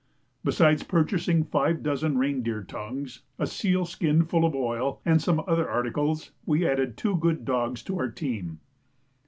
Besides purchasing five dozen rein deer tongues, a seal skin full of oil, and some other articles, we added two good dogs to our team.